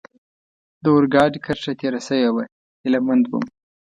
د اورګاډي کرښه تېره شوې وه، هیله مند ووم.